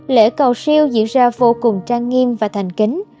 lễ cầu siêu diễn ra vô cùng trang nghiêm và thành kính